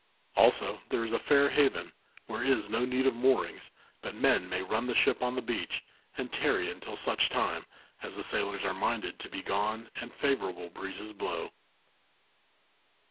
Also there is a fair haven, where is no need of moorings, but men may run the ship on the beach, and tarry until such time, as the sailors are minded to be gone and favourable breezes blow."